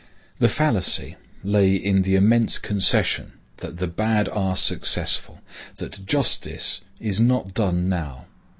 The fallacy lay in the immense concession that the bad are successful; that justice is not done now.